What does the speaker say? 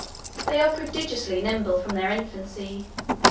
They are prodigiously nimble from their infancy.